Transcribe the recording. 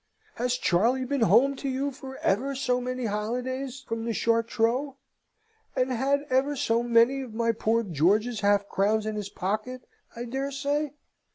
Has Charley been home to you for ever so many holidays, from the Chartreux, and had ever so many of my poor George's half crowns in his pocket, I dare say?"